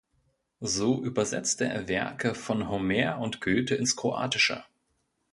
So übersetzte er Werke von Homer und Goethe ins Kroatische.